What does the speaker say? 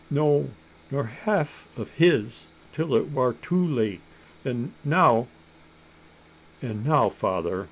No nor half o' his, till it war too late; an' now " "And now, father!"